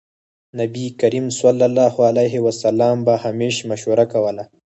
نبي کريم ص به همېش مشوره کوله.